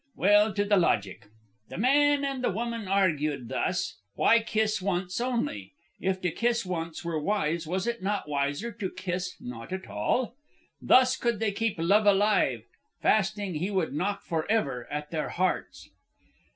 "Well, to the logic. The man and the woman argued thus: Why kiss once only? If to kiss once were wise, was it not wiser to kiss not at all? Thus could they keep Love alive. Fasting, he would knock forever at their hearts.